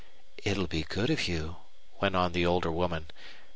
"It'll be good of you," went on the older woman.